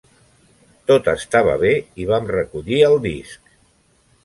Tot estava bé i vam recollir el disc.